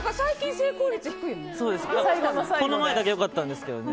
この前だけ良かったんですけどね。